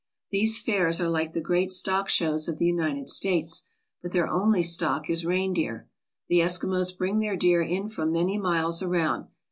; These fairs are like the great stock shows of the United States, but their only stock is reindeer. , The Eskimos bring their deer in from many miles around.